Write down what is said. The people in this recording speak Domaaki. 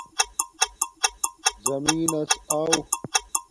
زمین نس آݸ